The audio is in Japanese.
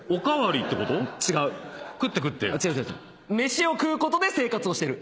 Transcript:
飯を食うことで生活をしてる。